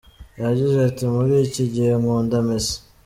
Yagize ati “Muri iki gihe nkunda Messi.